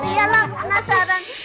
iya lah penasaran